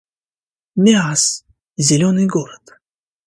Миасс — зелёный город